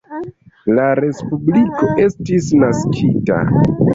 La respubliko estis naskita.